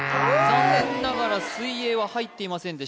残念ながら水泳は入っていませんでした